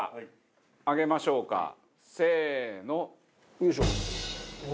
よいしょ。